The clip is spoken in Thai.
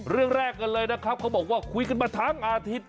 เรื่องแรกกันเลยนะครับเขาบอกว่าคุยกันมาทั้งอาทิตย์